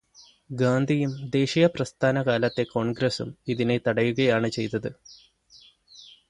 ഗാന്ധിയും ദേശീയപ്രസ്ഥാനകാലത്തെ കോണ്ഗ്രസും ഇതിനെ തടയുകയാണു ചെയ്തത്.